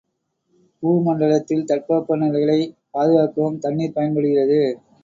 பூமண்டலத்தில் தட்பவெப்ப நிலைகளைப் பாதுகாக்கவும் தண்ணீர் பயன்படுகிறது.